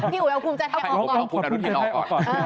เขาเพิ่งลงจากรถพี่อุ๊ยเอาภูมิใจไทยออกก่อน